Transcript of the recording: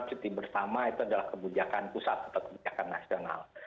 cuti bersama itu adalah kebijakan pusat atau kebijakan nasional